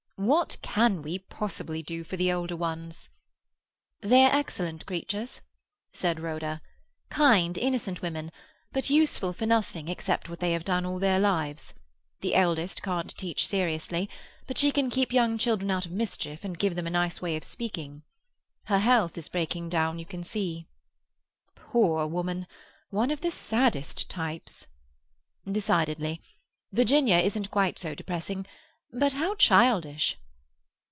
"What can we possibly do for the older ones?" "They are excellent creatures," said Rhoda; "kind, innocent women; but useful for nothing except what they have done all their lives. The eldest can't teach seriously, but she can keep young children out of mischief and give them a nice way of speaking. Her health is breaking down, you can see." "Poor woman! One of the saddest types." "Decidedly. Virginia isn't quite so depressing—but how childish!"